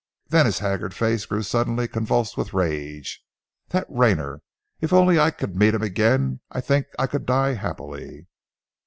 Then his haggard face grew suddenly convulsed with rage. "That Rayner! If only I could meet him again I think I could die happily!"